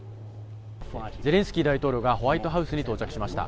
ゼレンスキー大統領がホワイトハウスに到着しました。